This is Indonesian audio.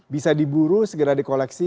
bisa diburu segera di koleksi